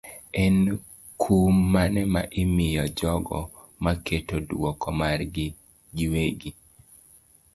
en kum mane ma imiyo jogo maketo duoko margi giwegi.